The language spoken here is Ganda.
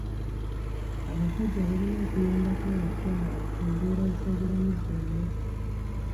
Abasajja balina okuyambako abakyala mu mbeera z'obulamu zonna.